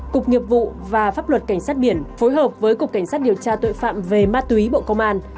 cục nghiệp vụ và pháp luật cảnh sát biển phối hợp với cục cảnh sát điều tra tội phạm về ma túy bộ công an